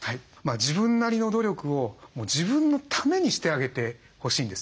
自分なりの努力を自分のためにしてあげてほしいんですね。